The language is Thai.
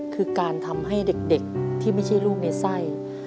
คือการทำให้เด็กที่ไม่ใช่ลูกในไส้